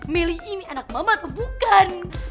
meli ini anak mama atau bukan